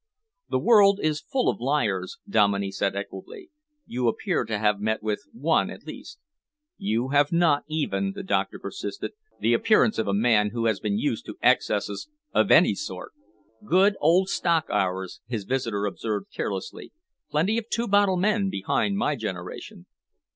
"The world is full of liars," Dominey said equably. "You appear to have met with one, at least." "You have not even," the doctor persisted, "the appearance of a man who has been used to excesses of any sort." "Good old stock, ours," his visitor observed carelessly. "Plenty of two bottle men behind my generation."